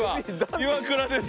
イワクラです。